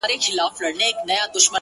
o ستـا د سونډو رنگ،